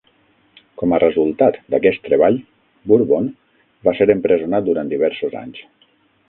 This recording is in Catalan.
Com a resultat d'aquest treball, Bourbon va ser empresonat durant diversos anys.